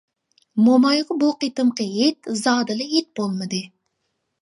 مومايغا بۇ قېتىمقى ھېيت زادىلا ھېيت بولمىدى.